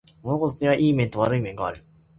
物事にはいい面と悪い面がある